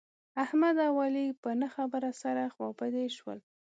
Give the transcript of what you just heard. احمد او علي په نه خبره سره خوابدي شول.